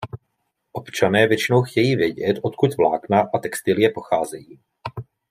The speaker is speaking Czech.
Občané většinou chtějí vědět, odkud vlákna a textilie pocházejí.